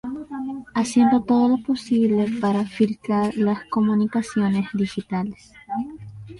haciendo todo lo posible para filtrar las comunicaciones digitales